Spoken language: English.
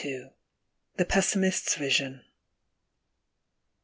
329 ) THE PESSIMIST'S VISION.